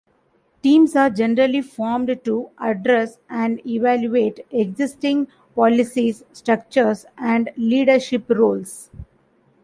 Teams are generally formed to address and evaluate existing policies, structures, and leadership roles.